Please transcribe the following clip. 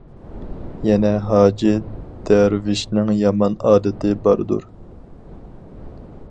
يەنە : ھاجى دەرۋىشنىڭ يامان ئادىتى باردۇر!